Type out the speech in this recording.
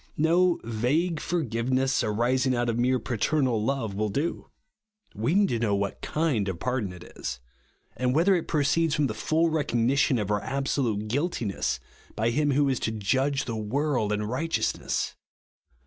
No vague forgiveness, arising out of mere paternal love, will do. We need to know vvliat Iciml of pardon it is ; and whether it proceeds from the full recogni tion of our absolute guiltiness by him who Is to "judge the world in righteousness."